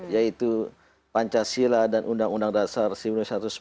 yaitu pancasila dan undang undang dasar seribu sembilan ratus empat puluh